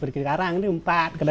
kalau tidak dapat saya jual di pasar